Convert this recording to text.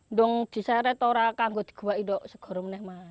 ndung diseret torak kambut gua itu